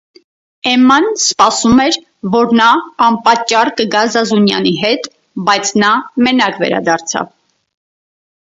Էմման սպասում էր, որ նա անպատճառ կգա Զազունյանի հետ, բայց նա մենակ վերադարձավ: